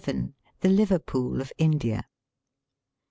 THE LIVEBPOOL OF INDIA.